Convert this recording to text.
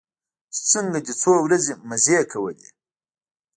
چې څنگه دې څو ورځې مزې کولې.